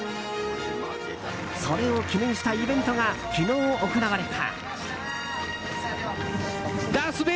それを記念したイベントが昨日、行われた。